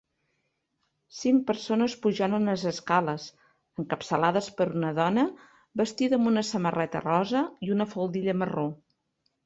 Cinc persones pujant unes escales encapçalades per una dona vestida amb una samarreta rosa i una faldilla marró.